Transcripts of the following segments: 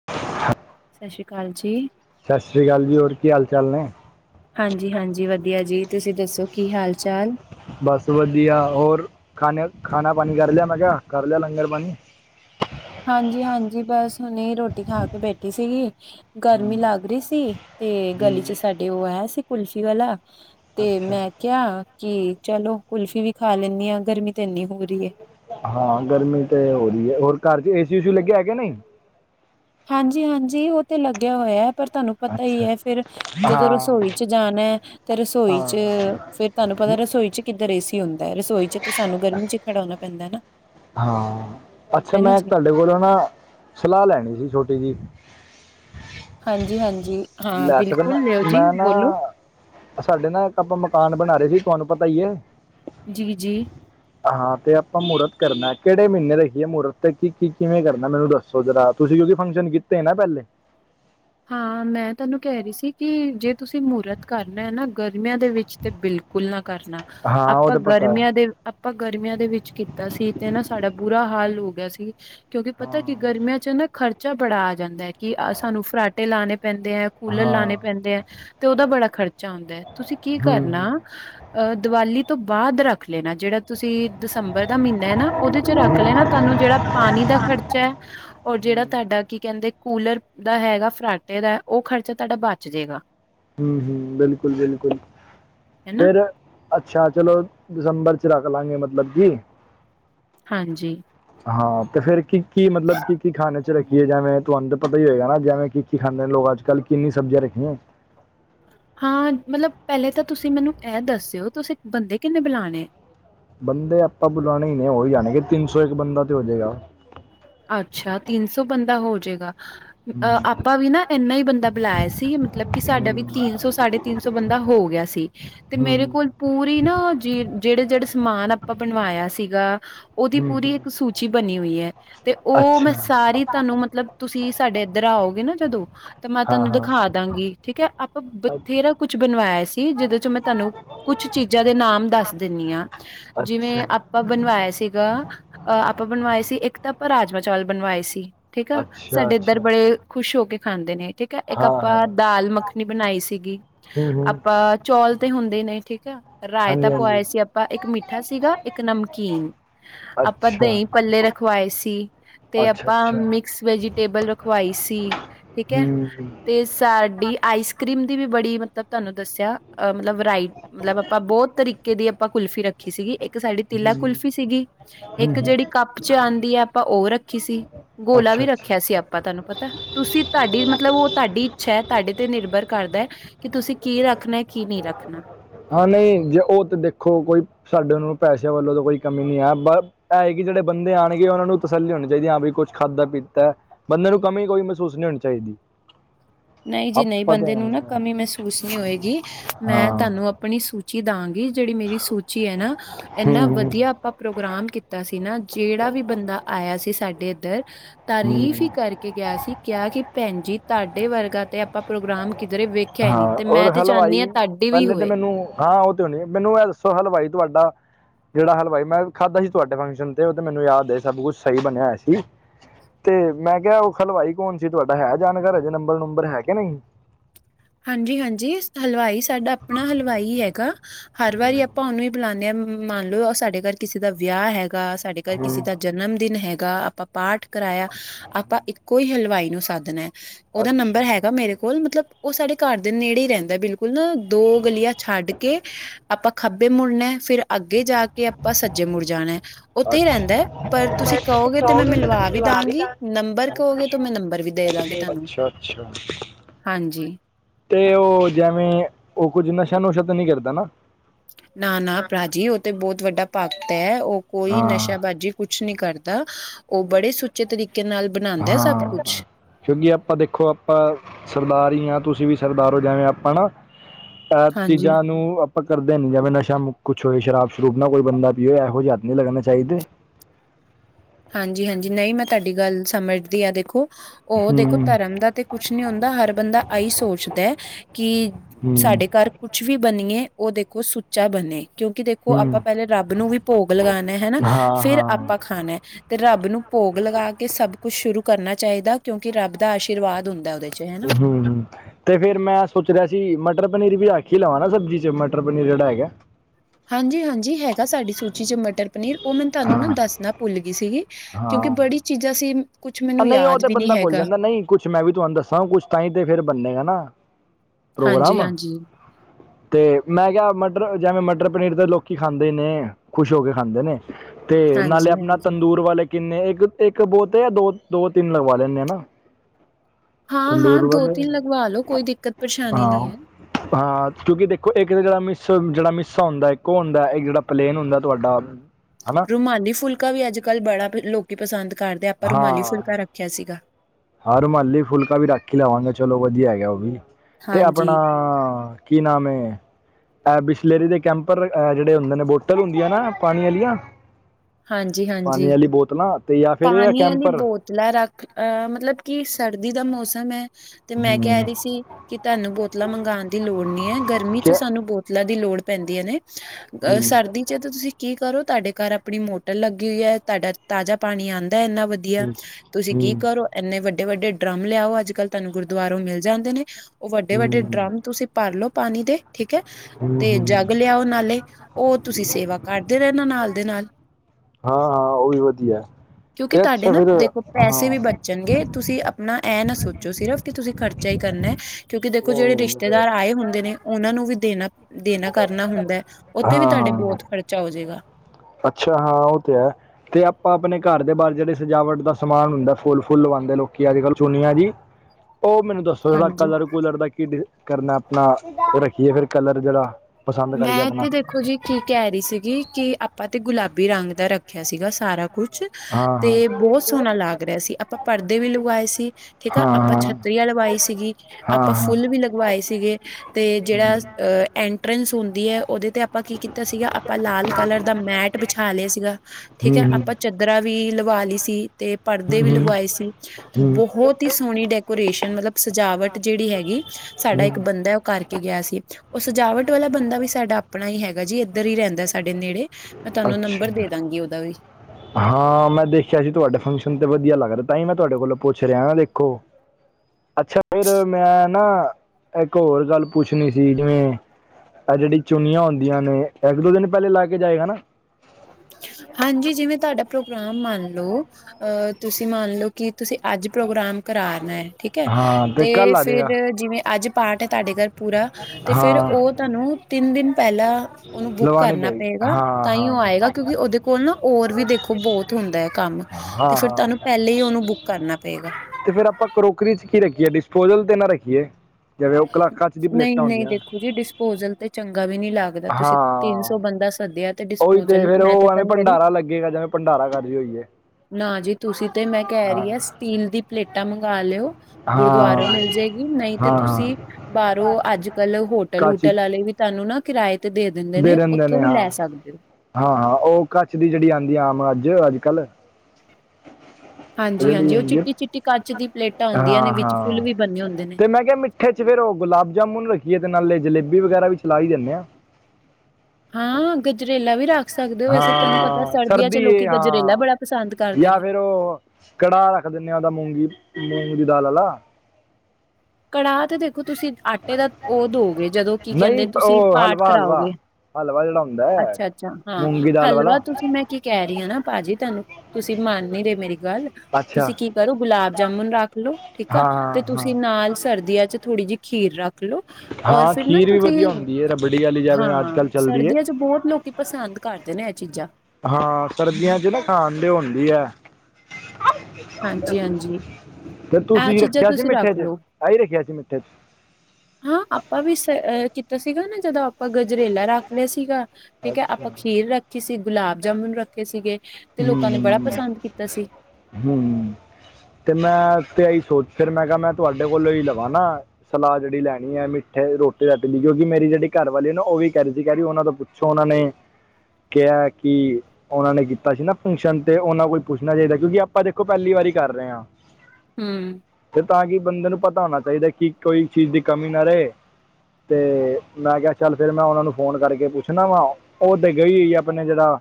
[inaudible] ਸਤਿ ਸ਼੍ਰੀ ਅਕਾਲ ਜੀ ਸਤਿ ਸ਼੍ਰੀ ਅਕਾਲ ਜੀ ਹੋਰ ਕੀ ਹਾਲ ਚਾਲ ਨੇ ਹਾਂਜੀ ਹਾਂਜੀ ਵਧੀਆ ਜੀ ਤੁਸੀਂ ਦੱਸੋ ਕੀ ਹਾਲ ਚਾਲ ਬਸ ਵਧੀਆ ਹੋਰ ਖਾਣੇ ਖਾਣਾ ਪਾਣੀ ਕਰ ਲਿਆ ਮੈਂ ਕਿਹਾ ਕਰ ਲਿਆ ਲੰਗਰ ਪਾਣੀ ਹਾਂਜੀ ਹਾਂਜੀ ਬਸ ਹੁਣੇ ਰੋਟੀ ਖਾ ਕੇ ਬੈਠੀ ਸੀਗੀ ਗਰਮੀ ਲੱਗ ਰਹੀ ਸੀ ਤੇ ਗਲੀ ਚ ਸਾਡੇ ਉਹ ਹੈਇਆ ਸੀ ਕੁਲਫ਼ੀ ਵਾਲਾ ਤੇ ਅੱਛਾ ਮੈਂ ਕਿਆ ਕਿ ਚਲੋ ਕੁਲਫੀ ਵੀ ਖਾ ਲੈਂਦੀ ਹਾਂ ਗਰਮੀ ਤੇ ਇੰਨੀ ਹੋ ਰਹੀ ਹੈ ਹਾਂ ਗਰਮੀ ਤੇ ਹੋ ਰਹੀ ਹੈ ਹੋਰ ਘਰ ਚ ਏਸੀ ਸੀ ਲੱਗੇ ਹੈਗੇ ਨਹੀਂ ਹਾਂਜੀ ਹਾਂਜੀ ਉਹ ਤੇ ਲੱਗਿਆ ਹੋਇਆ ਹੈ ਪਰ ਤੁਹਾਨੂੰ ਪਤਾ ਹੀ ਅੱਛਾ ਹੈ ਫੇਰ ਜਦੋਂ ਰਸੋਈ ਹਾਂ ਚ ਜਾਣਾ ਤੇ ਰਸੋਈ ਹਾਂ ਚ ਫਿਰ ਤੁਹਾਨੂੰ ਪਤਾ ਰਸੋਈ ਚ ਕਿੱਧਰ ਏ ਸੀ ਹੁੰਦਾ ਹੈ ਰਸੋਈ ਚ ਤਾਂ ਸਾਨੂੰ ਗਰਮੀ ਚ ਖੜਾਉਣਾ ਪੈਂਦਾ ਨਾ ਹਾਂ ਅੱਛਾ ਹੈ ਨਾ ਮੈਂ ਜੀ। ਤੁਹਾਡੇ ਕੋਲੋਂ ਨਾ ਸਲਾਹ ਲੈਣੀ ਸੀ ਛੋਟੀ ਜਿਹੀ- ਹਾਂਜੀ ਹਾਂਜੀ- ਹਾਂ ਲੈ ਸਕ ਨਾ ਬਿਲਕੁਲ ਲਿਓ ਜੀ ਮੈਂ ਬੋਲੋ ਨਾ- ਸਾਡੇ ਨਾ ਇੱਕ ਆਪਾਂ ਮਕਾਨ ਬਣਾ ਰਹੇ ਸੀ ਤੁਹਾਨੂੰ ਪਤਾ ਹੀ ਐ - ਜੀ ਜੀ- ਹਾਂ ਤੇ ਆਪਾਂ ਮਹੂਰਤ ਕਰਨਾ ਕਿਹੜੇ ਮਹੀਨੇ ਰਖੀਏ ਮਹੂਰਤ ਤੇ ਕੀ ਕੀ ਕਿਵੇਂ ਕਰਨਾ ਮੈਨੂੰ ਦੱਸ- ਸੋਚ ਤੁਸੀਂ ਕਿਉਂਕਿ ਫੰਕਸ਼ਨ ਕੀਤੇ ਨਾ ਪਹਿਲੇ- ਹਾਂ ਮੈਂ ਤੁਹਾਨੂੰ ਕਹਿ ਰਹੀ ਸੀ ਕਿ ਜੇ ਤੁਸੀਂ ਮੂਰਤ ਕਰਨਾ ਹੈ ਨਾ- ਗਰਮੀਆਂ ਦੇ ਵਿੱਚ ਤੇ ਬਿਲਕੁਲ ਨਾ ਕਰਨਾ ਹਾਂ ਉਹ ਆਪਾਂ ਤਾਂ ਪਤਾ ਹੈ ਗਰਮੀਆਂ ਦੇ- ਆਪਾਂ ਗਰਮੀਆਂ ਦੇ ਵਿੱਚ ਕੀਤਾ ਸੀ ਤੇ ਨਾ ਸਾਡਾ ਬੁਰਾ ਹਾਲ ਹੋ ਗਿਆ ਸੀ- ਕਿਉਂਕਿ ਹਾਂ ਪਤਾ ਕਿ ਗਰਮੀਆਂ ਚ ਨਾ ਖਰਚਾ ਬੜਾ ਆ ਜਾਂਦਾ ਹੈ ਕਿ ਸਾਨੂੰ ਫਰਾਟੇ ਲਾਉਣੇ ਪੈਂਦੇ ਹੈ- ਕੂਲਰ ਹਾਂ ਲਾਣੇ ਪੈਂਦੇ ਹੈ ਤੇ ਉਹਦਾ ਬੜਾ ਖ਼ਰਚਾ ਆਉਂਦਾ ਹੈ ਤੁਸੀਂ ਕੀ ਹੂੰ ਹੂੰ, ਕਰਨਾ- ਅਹ ਦੀਵਾਲੀ ਤੋਂ ਬਾਅਦ ਰੱਖ ਲੈਣਾ ਜਿਹੜਾ ਤੁਸੀਂ ਦਸੰਬਰ ਦਾ ਮਹੀਨਾ ਹੈ ਨਾ ਉਹਦੇ ਚ ਰੱਖ ਲੈ ਨਾ ਤੁਹਾਨੂੰ ਜਿਹੜਾ ਪਾਣੀ ਦਾ ਖਰਚਾ ਹੈ ਔਰ ਜਿਹੜਾ ਹੂੰ, ਤੁਹਾਡਾ ਕੀ ਕਹਿੰਦੇ ਕੂਲਰ ਦਾ ਹੈਗਾ ਫਰਾਟੇ ਦਾ ਉਹ ਖ਼ਰਚਾ ਤੁਹਾਡਾ ਬਚ ਜਾੇਗਾ ਹਮ ਹਮ ਬਿਲਕੁਲ ਬਿਲਕੁਲ ਹਨਾ ਫਿਰ ਅੱਛਾ ਚਲੋ ਦਸੰਬਰ ਚ ਰੱਖ ਲਾਂਗੇ ਮਤਲਬ ਜੀ ਹਾਂਜੀ- ਹਾਂ ਤੇ ਫੇਰ ਕੀ ਕੀ ਮਤਲਬ ਕੀ ਕੀ ਖਾਣੇ ਚ ਰੱਖੀਏ ਜੀਵੇ ਤੁਹਾਨੂੰ - ਪਤਾ ਹੀ ਹੋਗਾ ਨਾ ਜਿਵੇਂ ਕਿ ਕੀ ਖਾਂਦੇ ਲੋਕ ਅੱਜ ਕੱਲ੍ਹ ਕਿੰਨੀ ਸਬਜ਼ੀਆਂ ਰੱਖੀਆਂ- ਹਾਂ ਮਤਲਬ ਪਹਿਲੇ ਤਾਂ ਤੁਸੀਂ ਮੈਨੂੰ ਇਹ ਦੱਸਿਓ ਤੁਸੀਂ ਇੱਕ ਬੰਦੇ ਕਿੰਨੇ ਬੁਲਾਉਣੇ- ਬੰਦੇ ਆਪਾਂ ਬੁਲਾਉਣੇ ਹੀ ਨੇ ਉਹ ਜਾਣੇਗੇ ਤਿੰਨ ਸੌ ਇੱਕ ਬੰਦਾ ਤੇ ਹੋ ਜਾਏਗਾ- ਅੱਛਾ ਤਿੰਨ ਸੌ ਬੰਦਾ ਹੋਜਏਗਾ ਅਹ ਹੂੰ ਆਪਾਂ ਵੀ ਨਾ- ਇੰਨਾ ਹੀ ਬੰਦਾ ਬੁਲਾਇਆ ਸੀ ਮਤਲਬ ਕਿ ਸਾਡਾ ਵੀ ਹੂੰ ਤਿੰਨ ਸੌ ਸਾਢੇ ਤਿੰਨ ਸੌ ਬੰਦਾ ਹੋ ਗਿਆ ਸੀ- ਤੇ ਮੇਰੇ ਹੂੰ ਕੋਲ ਪੂਰੀ ਨਾ ਜ ਜਿਹੜੇ ਜਿਹੜੇ ਸਮਾਨ ਆਪਾਂ ਬਣਵਾਇਆ ਸੀਗਾ- ਉਹਦੀ ਹੂੰ ਪੂਰੀ ਹੂੰ ਇੱਕ ਸੂਚੀ ਬਣੀ ਹੋਈ ਹੈ- ਤੇ ਉਹ ਮੈਂ ਅੱਛਾ ਸਾਰੀ ਤੁਹਾਨੂੰ ਮਤਲਬ ਤੁਸੀਂ ਸਾਡੇ ਇੱਧਰ ਆਓਗੇ ਨਾ ਜਦੋਂ- ਤਾਂ ਮੈਂ ਹਾਂ ਤੁਹਾਨੂੰ ਹਾਂ ਦਿਖਾ ਦਾਂਗੀ ਠੀਕ ਹੈ ਆਪਾਂ ਅ- ਬਥੇਰਾ ਕੁਛ ਬਣਵਾਇਆ ਸੀ ਜਿਹਦੇ ਚ ਮੈਂ ਤੁਹਾਨੂੰ- ਕੁਛ ਚੀਜ਼ਾਂ ਦੇ ਨਾਮ ਦੱਸ ਦਿੰਦੀ ਹਾਂ- ਅੱਛਾ ਜਿਵੇਂ ਆਪਾਂ ਬਣਵਾਇਆ ਸੀਗਾ ਆਪਾਂ ਬਣਵਾਇਏ ਸੀ ਇੱਕ ਤਾਂ ਆਪਾਂ ਰਾਜਮਾਂ ਚਾਵਲ ਬਣਵਾਏ ਸੀ- ਠੀਕ ਆ ਅੱਛਾ ਸਾਡੇ ਇੱਧਰ ਅੱਛਾ ਬੜੇ- ਖੁਸ਼ ਹੋ ਕੇ ਖਾਂਦੇ ਨੇ ਠੀਕ ਹੈ ਇੱਕ ਹਾਂ ਹਾਂ ਆਪਾਂ ਦਾਲ ਮੱਖਣੀ ਬਣਾਈ ਸੀਗੀ ਹੂੰ ਹੂੰ ਆਪਾਂ- ਚੌਲ ਤੇ ਹੁੰਦੇ ਨੇ ਠੀਕ ਹੈ- ਹਾਂਜੀ ਰਏਤਾ ਹਾਂਜੀ ਪੁਆਇਏ ਸੀ ਆਪਾਂ ਇੱਕ ਮਿੱਠਾ ਸੀਗਾ ਇੱਕ ਨਮਕੀਨ ਆਪਾਂ ਅੱਛਾ ਦਹੀਂ ਪੱਲੇ ਰੱਖ- ਤੇ ਅੱਛਾ ਆਪਾਂ ਅੱਛਾ ਮਿਕਸ ਵੈਜੀਟੇਬਲ ਰਖਵਾਈ ਸੀ ਠੀਕ ਹੈ- ਹੂੰ ਅਤੇ ਸਾਡੀ ਆਈਸ ਕਰ੍ਰੀਮ ਦੀ ਵੀ ਬੜੀ ਮਤਲਬ ਤੁਹਾਨੂੰ ਦੱਸਿਆ ਮਤਲਬ ਵਰਾਇ- ਮਤਲਬ ਆਪਾਂ ਬਹੁਤ ਤਰੀਕੇ ਦੀ ਆਪਾਂ ਕੁਲਫ਼ੀ ਰੱਖ- ਸੀਗੀ ਇੱਕ ਸਾਡੀ ਤੀਲਾ ਹੂੰ ਕੁਲਫੀ ਸੀਗੀ ਹੂੰ ਇੱਕ ਹੂੰ ਜਿਹੜੀ ਕੱਪ- ਚਾਂਦੀ ਆ ਆਪਾਂ ਉਹ ਰੱਖੀ ਸੀ ਗੋਲਾ ਅੱਛਾ ਵੀ ਅੱਛਾ ਰੱਖਿਆ ਸੀ ਆਪਾਂ ਤੁਹਾਨੂੰ ਪਤਾ- ਤੁਸੀਂ ਤੁਹਾਡੀ ਮਤਲਬ ਉਹ ਤੁਹਾਡੀ ਇੱਛਾ ਹੈ ਤੁਹਾਡੇ ਤੇ ਨਿਰਭਰ ਕਰਦਾ ਹੈ - ਕਿ ਤੁਸੀਂ ਕੀ ਰੱਖਣਾ ਕੀ ਨਹੀਂ ਰੱਖਣਾ- ਹਾਂ ਨਹੀਂ ਜੇ ਉਹ ਤਾਂ ਦੇਖੋ ਕੋਈ ਸਾਡੇ ਨੂੰ ਪੈਸਿਆਂ ਵੱਲੋਂ ਤਾਂ ਕੋਈ ਕਮੀ ਨਹੀਂ ਹੈ- ਇਹ ਕਿ ਜਿਹੜੇ ਬੰਦੇ ਆਉਣਗੇ ਉਹਨਾਂ ਨੂੰ ਤਸੱਲੀ ਹੋਣੀ ਚਾਹੀਦੀ ਹਾਂ ਵੀ ਕੁਛ ਖਾਧਾ ਪੀਤਾ- ਬੰਦੇ ਨੂੰ ਕਮੀ ਕੋਈ ਮਹਿਸੂਸ ਨਹੀਂ ਹੋਣੀ ਚਾਹੀਦੀ- ਨਹੀਂ ਜੀ ਨਹੀਂ ਆਪਾਂ ਤੇ ਬੰਦੇ ਐਂ ਨੂੰ ਨਾ ਹੀ ਆ। ਕਮੀ ਮਹਿਸੂਸ ਨਹੀਂ ਹੋਏਗੀ ਮੈਂ ਹਾਂ ਤੁਹਾਨੂੰ ਆਪਣੀ ਸੂ- ਚੀ ਦਿਆਂਗੀ ਜਿਹੜੀ ਮੇਰੀ ਸੂਚੀ ਹੈ ਨਾ ਇੰਨਾ ਹੂੰ ਵਧੀਆ- ਆਪਾਂ ਪ੍ਰੋਗਰਾਮ ਕੀਤਾ ਸੀ ਨਾ ਜਿਹੜਾ ਵੀ ਬੰਦਾ ਆਇਆ ਸੀ ਸਾਡੇ ਇੱਧਰ- ਹੂੰ ਤਾਰੀਫ਼ ਹੀ ਹੂੰ ਕਰਕੇ ਗਿਆ ਸੀ ਕਿਹਾ ਕਿ ਭੈਣ ਜੀ ਤੁਹਾਡੇ- ਤੇ ਆਪਾਂ ਪ੍ਰੋਗਰਾਮ ਕਿਧਰੇ ਵੇਖਿਆ ਹੀ ਹਾਂ ਨੀ ਤੇ ਮੈਂ ਔਰ ਤੇ ਚਾਹੁੰਦੀ ਹਲਵਾਈ ਹਾਂ ਤੁਹਾਡੀ ਵੀ ਪਹਿਲੇ ਤਾਂ ਹੋਏ- ਮੈਨੂੰ ਹਾਂ ਉਹ ਤੇ ਹੋ ਨ ਮੈਨੂੰ ਇਹ ਦੱਸੋ ਹਲਵਾਈ ਤੁਹਾਡਾ- ਜਿਹੜਾ ਹਲਵਾਈ ਮੈਂ ਖਾਧਾ ਸੀ ਤੁਹਾਡੇ ਫੰਕਸ਼ਨ ਤੇ ਉਹ ਤੇ ਮੈਨੂੰ ਯਾਦਏ ਸਭ ਕੁੱਛ ਸਹੀ ਬਣਿਆਇਆ ਸੀ- ਤੇ ਮੈਂ ਕਿਹਾ ਉਹ ਹਲਵਾਈ ਕੌਣ ਸੀ ਤੁਹਾਡਾ ਹੈ ਜਾਣਕਾਰ ਹਜੇ ਨੰਬਰ ਨੰਬਰ ਹੈ ਕਿ ਨਹੀਂ- ਹਾਂਜੀ ਹਾਂਜੀ ਹਲਵਾਈ ਸਾਡਾ ਆਪਣਾ ਹਲਵਾਈ ਹੈਗਾ ਹਰ ਵਾਰੀ ਆਪਾਂ ਉਹਨੂੰ ਹੀ ਬੁਲਾਉਂਦੇ ਹਾਂ ਮੰਨ ਲਓ ਸਾਡੇ ਘਰ ਕਿਸੇ ਦਾ ਵਿਆਹ ਹੈਗਾ ਸਾਡੇ ਘਰ ਕਿਸੇ ਹੂੰ ਦਾ ਜਨਮ ਦਿਨ ਹੈਗਾ ਆਪਾਂ ਪਾਠ ਕਰਾਇਆ ਆਪਾਂ ਇੱਕੋ ਹੀ ਹਲਵਾਈ ਨੂੰ ਸੱਦਣਾ ਹੈ ਉਹਦਾ ਅੱਛਾ ਨੰਬਰ ਹੈਗਾ ਮੇਰੇ ਕੋਲ ਮਤਲਬ ਉਹ ਸਾਡੇ ਘਰ ਦੇ ਨੇੜੇ ਹੀ ਰਹਿੰਦਾ ਬਿਲਕੁਲ ਨਾ ਦੋ ਗਲੀਆਂ ਛੱਡ ਕੇ ਆਪਾਂ ਖੱਬੇ ਮੁੜਨਾ ਫਿਰ ਅੱਗੇ ਜਾ ਕੇ ਕਿ ਆਪਾਂ ਸੱਜੇ ਮੁੜ ਜਾਣਾ ਹੈ ਉੱਥੇ ਹੀ ਅੱਛਾ ਰਹਿੰਦਾ ਹੈ ਪਰ ਤੁਸੀਂ ਕਹੋਗੇ ਤੇ ਮੈਂ ਮਿਲਵਾ ਵੀ ਦਵਾਂਗੀ ਨੰਬਰ ਕਹੋਗੇ ਤਾਂ ਅੱਛਾ ਮੈਂ ਨੰਬਰ ਵੀ ਦੇ ਦਾਂਗੀ ਤੁਹਾਨੂੰ ਅੱਛਾ ਅੱਛਾ ਹਾਂਜੀ ਤੇ ਉਹ ਜਿਵੇਂ ਉਹ ਕੁੱਝ ਨਸ਼ਾ ਨੁਸ਼ਾ ਤਾਂ ਨੀ ਕਰਦਾ ਨਾ ਨਾ ਨਾ ਭਰਾ ਜੀ ਉਹ ਤੇ ਬਹੁਤ ਵੱਡਾ ਭਗਤ ਹੈ ਉਹ ਕੋਈ ਨਸ਼ ਹਾਂ ਮੇਰਾ ਬਾਜੀ ਕੁਛ ਨੀ ਕਰਦਾ ਉਹ ਬੜੇ ਸੁੱਚੇ ਤਰੀਕੇ ਨਾਲ ਬਣਾਉਂਦਾ ਸਭ ਕੁਛ- ਹਾਂ ਕਿਉਂਕਿ ਆਪਾਂ ਦੇਖੋ ਆਪਾਂ ਸਰਦਾਰ ਹੀ ਹਾਂ ਤੁਸੀਂ ਵੀ ਸਰਦਾਰ ਹੋ ਜਾਵੇਂ ਆਪਾਂ ਨਾ- ਅਹ ਹਾਂਜੀ। ਚੀਜ਼ਾਂ ਨੂੰ- ਆਪਾਂ ਕਰਦੇ ਨ ਜਵੇਂ ਨਸ਼ਾ ਕੁਛ ਹੋਏ ਸ਼ਰਾਬ ਸ਼ਰੂਬ ਨਾ ਕੋਈ ਬੰਦਾ ਪੀਓ ਇਹੋ ਜਿਹਾ ਨਹੀਂ ਲੱਗਣੇ ਚਾਹੀਦੇ ਹਾਂਜੀ ਹਾਂਜੀ ਨਹੀਂ ਮੈਂ ਤੁਹਾਡੀ ਗੱਲ ਸਮਝਦੀ ਆ ਦੇਖੋ ਉਹ ਦੇਖੋ ਹੂੰ ਧਰਮ ਦਾ ਤੇ ਕੁਛ ਨੀ ਹੁੰਦਾ ਹਰ ਬੰਦਾ ਆਹੀ ਸੋਚਦਾ ਕਿ ਹੂੰ ਸਾਡੇ ਘਰ ਕੁਛ ਵੀ ਬਣੀਏ ਉਹ ਦੇਖੋ ਸੁੱਚਾ ਬਣੇ ਕਿਉਂਕਿ ਦੇਖੋ। ਓ ਹੂੰ ਆਪਾਂ ਪਹਿਲੇ ਰੱਬ ਨੂੰ ਵੀ ਭੋਗ ਲਗਾਣਾ ਹੈਨਾ ਹਾਂ ਫਿਰ ਹਾਂ ਆਪਾਂ ਖਾਣਾ ਤੇ ਰੱਬ ਨੂੰ। ਭੋਗ ਲਗਾ ਕੇ ਸਭ ਕੁਛ ਸ਼ੁਰੂ ਕਰਨਾ ਚਾਹੀਦਾ ਕਿਉਂਕਿ ਰੱਬ ਦਾ ਆਸ਼ੀਰਵਾਦ ਹੁੰਦਾ ਉਹਦੇ ਚ। ਹਨਾ। [unintelligible] ਤੇ ਫਿਰ ਮੈਂ ਸੋਚ ਰਿਹਾ ਸੀ ਮਟਰ ਪਨੀਰ ਵੀ ਰੱਖ ਹੀ ਲਵਾਂ ਨਾ ਸਬਜ਼ੀ ਚ ਮਟਰ ਪਨੀਰ ਜੇੜਾ ਹੈਗਾ। ਹਾਂਜੀ ਹਾਂਜੀ ਹੈਗਾ ਸਾਡੀ ਸੂਚੀ ਚ' ਮਟਰ ਪਨੀਰ ਉਹ ਮੈ ਤੁਵਾਨੂੰ ਨਾ ਹਾਂ ਦੱਸਣਾ ਭੁੱਲ ਗੀ ਸੀਗੀ। ਕਿਉਂਕਿ ਹਾਂ ਬੜੀ ਚੀਜ਼ਾਂ ਸੀ। ਕੁਛ ਮੈਨੂੰ ਨਹੀਂ ਉਹ ਯਾਦ ਤੇ ਵੀ ਬੰਦਾ ਭੁੱਲ ਹੈਗਾ। ਜਾਂਦਾ ਨਹੀਂ। ਕੁਛ ਮੈਂ ਵੀ ਤੁਹਾਨੂੰ ਦੱਸਾਂ ਕੁਛ ਤਾਈ ਤੇ ਫੇਰ ਬੰਨੇਗਾ ਨਾ ਪ੍ਰੋਗਰਾਮ। ਹਾਂਜੀ-ਹਾਂਜੀ, ਤੇ ਮੈਂ ਕਿਹਾ ਮਟਰ ਜੈਵੇ ਮਟਰ ਪਨੀਰ ਤਾਂ ਲੋਕੀ ਖਾਂਦੇ ਇ ਨੇ। ਖੁਸ਼ ਹੋ ਕੇ ਖਾਂਦੇ ਨੇ ਤੇ ਨਾਲੇ ਆਪਣਾ ਹਾਂਜੀ-ਹਾਂਜੀ। ਤੰਦੂਰ ਵਾਲੇ ਕਿੰਨੇ ਇੱਕ ਇੱਕ ਬਹੁਤੇ ਆ ਦੋ, ਦੋ ਤਿੰਨ ਲਗਵਾ ਦੇਣੇ ਆ ਨਾ। ਹਾਂ ਹਾਂ ਤੰਦੂਰ ਦੋ ਵਾਲੇ ਤਿੰਨ ਲਗਵਾ ਲੋ ਕੋਈ ਦਿੱਕਤ ਪਰੇਸ਼ਾਨੀ ਹਾਂ ਨੀ ਹੈ। ਹਾਂ ਕਿਉਂਕਿ ਦੇਖੋ ਇੱਕ ਤਾਂ ਜੇੜਾ ਮਿਸ ਜੇੜਾ ਮਿਸਾ ਹੁੰਦਾ ਇੱਕੋ ਹੁੰਦਾ ਇੱਕ ਜੇੜਾ ਪਲੇਨ ਹੁੰਦਾ ਤਵਾਡਾ। ਹੈਨਾ। ਰੁਮਾਲੀ ਫੁਲਕਾ ਵੀ ਅੱਜ ਕੱਲ੍ਹ ਬੜਾ ਲੋਕੀ ਪਸੰਦ ਕਰਦੇ ਆਪਾਂ ਰੁਮਾਲੀ ਹਾਂ ਫੁਲਕਾ ਰੱਖਿਆ ਸੀਗਾ। ਹਾਂ ਰੁਮਾਲੀ ਫੁਲਕਾ ਵੀ ਰੱਖ ਹੀ ਲਵਾਂਗੇ ਚਲੋ ਵਧੀਆ ਹੈਗਾ ਉਹ ਵੀ। ਤੇ ਆਪਣਾ ਹਾਂਜੀ। ਕੀ ਨਾਮ ਏ, ਅਹ ਬਿਸਲੇਰੀ ਦੇ ਕੈਂਪਰ ਜੇੜੇ ਹੁੰਦੇ ਨੇ ਬੋਤਲ ਹੁੰਦੀਆਂ ਨਾ ਪਾਣੀ ਆਲੀਆਂ। ਪਾਣੀ ਹਾਂਜੀ-ਹਾਂਜੀ, ਵਾਲੀ ਬੋਤਲਾਂ ਤੇ ਯਾ, ਪਾਣੀ ਆਲੀ ਬੋਤਲਾਂ ਰੱਖ ਅਹ ਮਤਲਬ ਕਿ ਸਰਦੀ ਦਾ ਮੌਸਮ ਹੈ, ਤੇ ਮੈਂ ਕਹਿ ਹੂੰ ਰਹੀ ਸੀ ਕਿ ਤੁਹਾਨੂੰ ਬੋਤਲਾਂ ਮੰਗਾਣ ਦੀ ਲੋੜ ਨੀ ਹੈ ਗਰਮੀ ਚ ਕਿਆ ਸਾਨੂੰ ਬੋਤ ਲਾਂ ਦੀ ਲੋੜ ਪੈਂਦੀਆਂ ਨੇ ਹੂੰ ਅਹ ਸਰਦੀ ਚ ਤੁਸੀਂ ਕੀ ਕਰੋ ਤੁਹਾਡੇ ਘਰ, ਆਪਣੀ ਮੋਟਰ ਲੱਗੀ ਹੋਈ ਹੈ ਤੁਹਾਡਾ ਤਾਜ਼ਾ ਪਾਣੀ ਆਂਦਾ ਇੰਨਾ ਵਧੀਆ ਹੂੰ ਤੁਸੀਂ ਹੂੰ ਕੀ ਕਰੋ, ਇੰਨੇ ਵੱਡੇ ਵੱਡੇ ਡਰਮ ਲਿਆਓ ਅੱਜ ਕੱਲ੍ਹ ਤੁਹਾਨੂੰ ਗੁਰੂਦਵਾਰਯੋ ਮਿਲ ਜਾਂਦੇ ਨੇ ਉਹ ਵੱਡੇ ਵੱਡੇ ਡਰਮ ਤੁਸੀਂ, ਭਰ ਲੋ ਪਾਣੀ ਦੇ। ਠੀਕ ਹੈ ਹੂੰ ਹੂੰ, ਤੇ ਹੂੰ। ਜਗ ਲਿਆਓ ਨਾਲੇ ਉਹ ਤੁਸੀਂ ਸੇਵਾ ਕਰਦੇ ਰਹਨਾ ਨਾਲ ਦੇ ਨਾਲ। ਹਾਂ ਹਾਂ ਉਹ ਵੀ ਵਧੀਆ। ਕਿਉਂਕਿ ਤੇ ਤੁਹਾਡੇ ਅੱਛਾ ਨਾ ਫਿਰ ਦੇਖੋ ਪੈਸੇ ਹਾਂ ਵੀ ਬਚਣਗੇ, ਤੁਸੀਂ ਆਪਣਾ ਇਹ ਨਾ ਸੋਚੋ ਸਿਰਫ ਕਿ ਤੁਸੀਂ ਖਰਚਾ ਹੀ ਕਰਨਾ। ਕਿਉਂਕਿ ਦੇਖੋ ਨਹੀਂ ਜੇੜੇ ਨਹੀਂ ਨਹੀਂ। ਰਿਸ਼ਤੇਦਾਰ ਆਏ ਹੁੰਦੇ ਨੇ ਉਹਨਾਂ ਨੂੰ ਵੀ ਦੇਣਾ ਦੇਣਾ ਕਰਨਾ ਹੁੰਦਾ ਹੈ। ਉੱਥੇ ਵੀ ਹਾਂ ਤੁਹਾਡੇ ਹਾਂ ਬਹੁਤ ਖਰਚਾ ਹੋਜੇਗਾ। ਅੱਛਾ ਹਾਂ ਉਹ ਤੇ ਹੈ। ਤੇ ਆਪਾਂ ਆਪਣੇ ਘਰ ਦੇ ਬਾਹਰ ਜੇੜੇ ਸਜਾਵਟ ਦਾ ਸਮਾਨ ਹੁੰਦਾ ਫੁੱਲ ਫੁੱਲ ਲਵਾਉਂਦੇ ਲੋਕੀ ਅੱਜ ਕੱਲ੍ਹ ਸੁੁਨੀਆ ਜੀ। ਉਹ ਮੈਨੂੰ ਦੱਸੋ ਜੇੜਾ ਹਾਂਜੀ ਕਲਰ ਕੁਲਰ ਦਾ ਕੀ ਕਰਨਾ ਆਪਣਾ ਉਹ ਰੱਖੀਏ ਫਿਰ ਕਲਰ ਜੇੜਾ, ਮੈਂ ਤੇ ਦੇਖੋ ਜੀ ਕੀ ਕਹਿ ਰਹੀ ਸੀਗੀ ਕਿ ਆਪਾਂ ਤੇ ਗੁਲਾਬੀ ਰੰਗ ਦਾ ਰੱਖ, ਰਖਿਆ ਸੀਗਾ ਸਾਰਾ ਕੁਛ। ਹਾਂ ਹਾਂ ਤੇ ਬਹੁਤ ਸੋਹਣਾ ਲੱਗ ਰਿਹਾ ਸੀ। ਆਪਾਂ ਪਰਦੇ ਵੀ ਲਵਾਏ ਸੀ। ਠੀਕ ਆ, ਹਾਂ ਆਪਾਂ ਹਾਂ ਛੱ ਤਰੀਆਂ ਲਵਾਈ ਸੀਗੀ। ਹਾਂ ਆਪਾਂ ਹਾਂ ਫੁੱਲ ਵੀ ਲਗਵਾਏ ਸੀਗੇ ਤੇ ਜੇੜਾ ਅਹ ਐਂ ਪ੍ਰਿੰਸ ਹੁੰਦੀ ਹੈ। ਉਹਦੇ ਤੇ ਆਪਾਂ ਕੀ ਕੀਤਾ ਸੀਗਾ, ਆਪਾਂ ਲਾਲ ਕਲਰ ਦਾ ਮੈਟ ਬਛਾ ਲਿਆ ਸੀਗਾ ਠੀਕ ਹੂੰ ਹੈ ਆਪਾਂ ਚਦਰਾਂ ਵੀ ਲਵਾ ਲਈ ਸੀ ਤੇ ਹੂੰ ਪਰਦੇ ਵੀ ਹੂੰ ਲਵਾਏ ਸੀ। ਹੂੰ ਬਹੁਤ ਐਡੀ ਸੋਹਣੀ ਡੈਕੋਰੇਸ਼ਨ ਮਤਲਬ ਸਜਾਵਟ, ਜੇੜੀ ਹੈਗੀ ਸਾਡਾ ਇੱਕ ਹੂੰ ਬੰਦਾ ਉਹ ਕਰਕੇ ਕੇ ਗਿਆ ਸੀ। ਉਹ ਸਜਾਵਟ ਵਾਲਾ ਬੰਦਾ ਵੀ ਸਾਡਾ ਆਪਣਾ ਹੀ ਹੈਗਾ ਜੀ ਇੱਧਰ ਹੀ ਰਹਿੰਦਾ ਸਾਡੇ ਨੇੜੇ ਤੁਹਾਨੂੰ ਨੰਬਰ ਦੇ ਅੱਛਾ ਦਾਂਗੀ ਉਹਦਾ ਵੀ ਹਾਂ, ਮੈਂ ਦੇਖਿਆ ਸੀ‌। ਤੁਹਾਡੇ ਫੰਕਸ਼ਨ ਤੇ ਵਧੀਆ ਲੱਗ ਰਹੇ ਤਾਂ ਹੀ ਮੈਂ ਤੁਹਾਡੇ ਕੋਲੋਂ ਪੁੱਛ ਰਿਹਾ। ਦੇਖੋ! ਅੱਛਾ, ਫਿਰ ਮੈਂ ਨਾ ਇੱਕ ਹੋਰ ਗੱਲ ਪੁੱਛਣੀ ਸੀ। ਜਿਵੇਂ- ਆ ਜੇੜੀ ਚੁਨੀਆਂ ਹੁੰਦੀਆਂ ਨੇ ਇੱਕ ਦੋ ਦਿਨ ਪਹਿਲੇ ਲਾ ਕੇ ਜਾਏਗਾ ਨਾ ਹਾਂਜੀ, ਜਿਵੇਂ- ਤੁਹਾਡਾ ਪ੍ਰੋਗਰਾਮ ਮੰਨ ਲਓ ਅਹ! ਤੁਸੀਂ ਮੰਨਲੋ ਕਿ ਤੁਸੀਂ ਅੱਜ ਪ੍ਰੋਗਰਾਮ ਕਰਾਨਾ ਹੈ ਠੀਕ ਠੀਕ ਹੈ ਹਾਂ ਤੇ ਕੱਲ ਆ ਫਿਰ ਜਾਏਗਾ ਜਿਵੇਂ ਅੱਜ ਪਾਠ ਹੈ। ਤੁਹਾਡੇ ਘਰ ਪੂਰਾ ਤੇ ਫੇਰ ਹਾਂ ਉਹ ਤੁਹਾਨੂੰ ਤਿੰਨ ਦਿਨ ਪਹਿਲਾਂ ਉਹਨੂੰ ਬੁੱਕ ਲਵਾਣੀ ਕਰਨਾ ਪਏਗੀ ਪਏਗਾ ਹਾਂ ਤਾਂ ਹੀ ਹਾਂ ਉਹ ਆਏ ਕਿਉਂਕਿ ਉਹਦੇ ਕੋਲ ਨਾ ਹੋਰ ਵੀ ਦੇਖੋ ਬਹੁਤ ਹੁੰਦਾ ਹੈ। ਕੰਮ ਤੇ ਹਾਂ ਫਿਰ ਹਾਂ ਤੁਹਾਨੂੰ ਪਹਿਲੇ ਹੀ ਉਹਨੂੰ ਬੁੱਕ ਕਰਨਾ ਪਏਗਾ। ਤੇ ਫੇਰ ਆਪਾਂ ਕਰੋਕਰੀ ਚ ਕੀ ਰੱਖੀਏ, ਡਿਸਪੋਜਲ ਤੇ ਨਾ ਰੱਖੀਏ। ਜਿਵੇਂ- ਉਹ ਕਲਾਕਾਂ ਚ ਨਹੀਂ, ਨਹੀਂ, ਦੇਖੋ ਜੀ। ਡਿਸਪੋਜਲ ਤੇ ਚੰਗਾ ਵੀ ਨਹੀਂ ਲੱਗਦਾ, ਤੁਸੀਂ ਤਿੰਨ ਹਾਂ ਸੌ ਬੰਦਾ ਸੱਦਿਆ ਤੇ ਉਹੀ ਤੇ ਡਿਸਪੋਜਲ ਫੇਰ ਮੈਂ ਉਹ ਐਵੇਂ- ਤੁਹਾਨੂੰ ਕਹਿ ਰਹੀ ਭੰਡਾਰਾ ਲੱਗੇਗਾ ਜਿਵੇਂ - ਭੰਡਾਰਾ ਕਰਜ਼ ਹੋਈਏ ਨਾ ਜੀ ਤੁਸੀਂ ਤੇ ਮੈਂ ਕਹਿ ਹਾਂ ਰਹੀ ਆ। ਸਟੀਲ ਦੀ ਪਲੇਟਾਂ ਮੰਗਵਾ ਲਿਓ। ਹਾਂ ਗੁਰਦੁਆਰੇ ਹੋ ਮਿਲ ਜਾਏਗੀ ਨਹੀਂ ਤੇ ਹਾਂ ਤੁਸੀਂ ਹਾਂ ਬਾਹਰੋਂ ਅੱਜ ਕੱਲ ਹੋਟਲ, ਕੱਚ ਉੂਟਲ ਵਾਲੇ ਵੀ ਤੁਹਾਨੂੰ ਨਾ ਕਿਰਾਏ ਤੇ ਦੇ ਦਿੰਦੇ ਨੇ। ਉੱਥੋਂ ਵੀ ਲੈ ਸਕਦੇ ਹੋ। ਹਾਂ, ਹਾਂ ਉਹ ਕਛ ਦੀ ਜਿਹੜੀ ਆਉਂਦੀ ਆਮ ਅੱਜ, ਅੱਜ ਕੱਲ੍ਹ। ਹਾਂਜੀ, ਹਾਂਜੀ ਉਹ ਹੁੰਦੀ ਹੈ ਚਿੱਟੀ-ਚਿੱਟੀ ਕੱਚ ਦੀ ਪਲੇਟਾਂ ਹੁੰਦੀਆਂ ਨੇ ਵਿੱਚ ਫੁੱਲ ਵੀ ਬੰਨੇ ਹੁੰਦੇ ਨੇ। ਪੱਠੇ ਚ ਫਿਰ ਉਹ ਗੁਲਾਬ-ਜਾਮੁਨ ਰੱਖੀਏ ਤੇ ਨਾਲੇ ਜਲੇਬੀ ਵਗੈਰਾ ਵੀ ਚਲਾ ਹੀ ਦਿੰਦੇ ਹਾਂ। ਹਾਂ--ਗ ਗਜਰੇਲਾ ਵੀ ਰੱਖ ਸਕਦੇ ਹੋ। ਵੈਸੇ ਤੁਹਨੂੰ ਪਤਾ ਹਾਂ ਸਰਦੀਆਂ ਚ ਸਰਦੀ ਲੋਕ ਏ ਗਜਰੇਲਾ ਹਾਂ ਬੜਾ ਪਸੰਦ ਕਰਦੇ ਜਾਂ ਨੇ। ਫਿਰ ਉਹ ਕੜਾਹ ਰੱਖ ਦਿੰਨ ਆ, ਉਹਦਾ ਮੂੰਗੀ, ਮੂੰਗ ਦੀ ਦਾਲ ਵਾਲਾ। ਕੜਾਹ ਤੇ ਦੇਖੋ ਤੁਸੀਂ ਆਟੇ ਦਾ ਉਹ ਦੋਗੇ ਜਦੋਂ ਕੀ ਨਹੀਂ ਕਹਿੰਦੇ-ਤੁਸੀਂ ਉਹ ਪਾਠ ਹਲਵਾ ਹਲਵਾ ਕਰਾਓਗੇ। ਹਲਵਾ ਜਿਹੜਾ ਹੁੰਦਾ ਹੈ ਅੱਛਾ, ਅੱਛਾ ਹਾਂ। ਮੂੰਗੀ ਦਾਲ ਹਲਵਾ ਵਾਲਾ ਤੁਸੀਂ ਮੈਂ ਕੀ ਕਹਿ ਰਹੀਆ ਨਾ ਭਾਜੀ ਤੁਹਾਨੂੰ। ਤੁਸੀਂ ਮੰਨ ਨ ਰਹੇ ਮੇਰੀ ਗੱਲ ਅੱਛਾ ਤੁਸੀਂ ਕੀ ਕਰੋ ਗੁਲਾਬ ਜਾਮੁਨ ਰੱਖ ਲਓ। ਠੀਕ ਆ, ਹਾਂ ਤੇ ਹਾਂ ਤੁਸੀਂ ਨਾਲ ਸਰਦੀਆਂ ਚ ਥੋੜ੍ਹੀ ਜਹੀ ਖੀਰ ਰੱਖ ਲੋ, ਔਰ ਹਾਂ ਫਿਰ ਨਾ ਖੀਰ ਵੀ ਤੁਸੀਂ ਵਧੀਆ ਹੁੰਦੀ ਹੈ ਰਬੜੀ ਵਾਲੀ ਹਾਂ ਜਿਵੇਂ ਅੱਜ ਕੱਲ੍ਹ ਚੱਲਦੀ ਹੈ ਸਰਦੀਆਂ ਚ ਬਹੁਤ ਲੋਕ ਕੀ ਪਸੰਦ ਕਰਦੇ ਨੇ ਇਹ ਚੀਜ਼ਾਂ। ਹਾਂ ਸਰਦੀਆਂ ਚ ਨਾ ਖਾਣ ਦੇ ਹੁੰਦੀ ਹੈ। ਹਾਂਜੀ-ਹਾਂਜੀ ਤੇ ਇਹ ਤੁਸੀਂ ਚੀਜ਼ਾਂ ਰੱਖਿਆ ਸੀ। ਤੁਸੀਂ ਮਿੱਠੇ ਰੱਖ ਚ ਲਓ ਆਹੀ ਰੱਖਿਆ ਸੀ। ਮਿੱਠੇ ਚ ਹਾਂ, ਆਪਾਂ ਵੀ ਸਹ ਕੀਤਾ ਸੀਗਾ ਨਾ ਜਦੋਂ ਆਪਾਂ ਗਜਰੇਲਾ ਰੱਖ ਲਿਆ ਸੀਗਾ। 'ਚ ਠੀਕ ਹੈ, ਅੱਛਾ ਆਪਾਂ ਖੀਰ ਰੱਖੀ ਸੀ। ਗੁਲਾਬ ਜਾਮੁਨ ਰੱਖੇ ਸੀਗੇ ਤੇ ਲੋਕਾਂ ਨੇ ਬੜਾ ਪਸੰਦ ਕੀਤਾ ਸੀ। ਹਮ! ਤੇ ਮੈਂ ਤੇ ਆਹੀ ਸੋਚ ਫਿਰ ਮੈਂ ਕਿਹਾ- ਮੈਂ ਤੁਹਾਡੇ ਕੋਲੋਂ ਹੀ ਲਵਾਂ ਨਾ! ਸਲਾਦ ਜਿਹੜੀ ਲੈਣੀ ਹੈ। ਮਿੱਠੇ ਰੋਟੀ ਦਾ ਪੀਲੀ ਕਿਉਂਕਿ ਮੇਰੀ ਜਿਹੜੀ ਘਰ ਵਾਲੀ ਨਾ ਉਹ ਵੀ ਕਹਿ ਰਹੀ ਸੀ। ਕਹਿ ਰਹੀ, ਉਹਨਾਂ ਤੋਂ ਪੁੱਛੋ ਉਹਨਾਂ ਨੇ ਕਿਹਾ ਕਿ ਉਹਨਾਂ ਨੇ ਕੀਤਾ ਸੀ ਨਾ ਫੰਕਸ਼ਨ ਤੇ ਉਹਨਾਂ ਕੋਈ ਪੁੱਛਣਾ ਚਾਹੀਦਾ। ਕਿਉਂਕਿ ਆਪਾਂ ਦੇਖੋ ਪਹਿਲੀ ਵਾਰੀ ਕਰ ਰਹੇ ਹਾਂ। ਹਮ ਤੇ ਤਾਂ ਕਿ ਬੰਦੇ ਨੂੰ ਪਤਾ ਹੋਣਾ ਚਾਹੀਦਾ ਕਿ ਕੋਈ ਚੀਜ਼ ਦੀ ਕਮੀ ਨਾ ਰਹੇ ਤੇ ਮੈਂ ਕਿਹਾ ਚੱਲ ਫਿਰ ਮੈਂ ਉਹਨਾਂ ਨੂੰ ਫੋਨ ਕਰਕੇ ਪੁੱਛਣਾ ਵਾ ਉਹ ਤੇ ਗਈ ਹੋਈ ਆਪਣੇ ਜਿਹੜਾ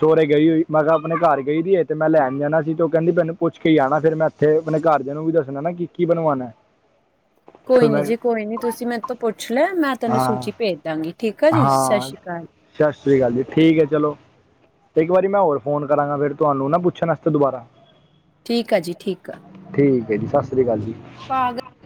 ਸਹੁਰੇ ਗਈ ਹੋਈ ਮੈਂ ਕਿਹਾ ਆਪਣੇ ਘਰ ਗਈ ਦੀ ਤੇ ਮੈਂ ਲੈਣ ਜਾਣਾ ਸੀ ਤੇ ਉਹ ਕਹਿੰਦੀ ਮੈਨੂੰ ਪੁੱਛ ਹੀ ਆਉਣਾ ਫਿਰ ਮੈਂ ਤੇ ਆਪਣੇ ਘਰਦਿਆਂ ਨੂੰ ਵੀ ਦੱਸਣਾ ਨਾ ਕੀ ਕੀ ਬਣਵਾਣਾ ਕੋਈ ਨਹੀਂ ਜੀ ਕੋਈ ਨਹੀਂ ਤੁਸੀਂ ਮੇਰੇ ਤੋਂ ਪੁੱਛ ਲੈ ਮੈਂ ਤੁਹਾਨੂੰ ਹਾਂ ਸੂਚੀ ਭੇਜ ਦਾਂਗੀ ਠੀਕ ਆ ਜੀ ਸਤਿ ਹਾਂ ਸ਼੍ਰੀ ਅਕਾਲ ਸਤਿ ਸ੍ਰੀ ਅਕਾਲ ਜੀ ਠੀਕ ਹੈ ਚਲੋ ਤੇ ਇੱਕ ਵਾਰੀ ਮੈਂ ਹੋਰ ਫੋਨ ਕਰਾਂਗਾ ਫੇਰ ਤੁਹਾਨੂੰ ਨਾ ਪੁੱਛਣ ਵਾਸਤੇ ਦੁਬਾਰਾ ਠੀਕ ਆ ਜੀ ਠੀਕ ਆ ਠੀਕ ਐ ਜੀ, ਸਤਿ ਸ੍ਰੀ ਕਾਲ ਜੀ। ਪਾਗ